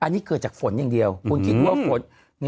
อันนี้เกิดจากฝนอย่างเดียวคุณคิดว่าฝน